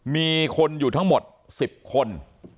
มีคนอยู่ทั้งหมด๑๐คน